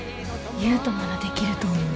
悠太ならできると思う。